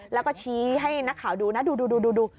แล้วก็ชี้ให้นักข่าวดูนะดู